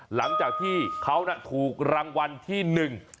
หลังจากที่เขาน่ะถูกรางวัลที่หนึ่ง